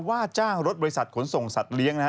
ว่าจ้างรถบริษัทขนส่งสัตว์เลี้ยงนะฮะ